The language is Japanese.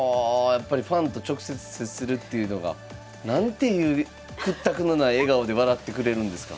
やっぱりファンと直接接するっていうのが。なんていう屈託のない笑顔で笑ってくれるんですか。